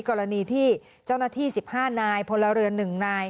กรณีที่เจ้าหน้าที่๑๕นายพลเรือน๑นาย